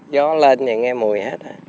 gió lên thì nghe mùi hết